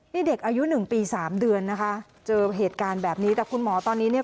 นี่เด็กอายุหนึ่งปีสามเดือนนะคะเจอเหตุการณ์แบบนี้แต่คุณหมอตอนนี้เนี่ย